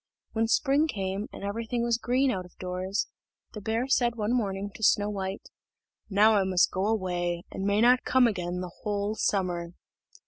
When spring came, and everything was green out of doors, the bear said one morning to Snow white: "Now I must go away, and may not come again the whole summer."